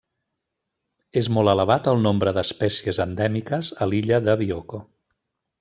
És molt elevat el nombre d'espècies endèmiques a l'illa de Bioko.